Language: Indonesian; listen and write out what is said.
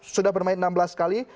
sudah bermain enam belas kali